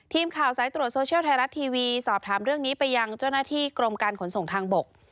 ทีมข่าวสายตรวจโซเชียลไทยรัฐทีวีสอบถามเรื่องนี้ไปยังเจ้าหน้าที่กรมการขนส่งทางบก